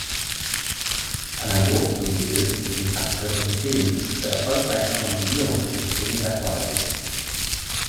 Analog zum Titel sind Akte und Szenen zur erfolgreichen Kompilierung nicht zwingend erforderlich.